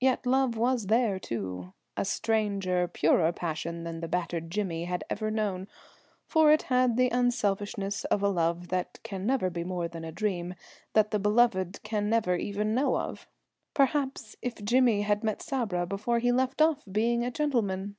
Yet Love was there, too a stranger, purer passion than the battered Jimmy had ever known; for it had the unselfishness of a love that can never be more than a dream, that the beloved can never even know of. Perhaps, if Jimmy had met Sabra before he left off being a gentleman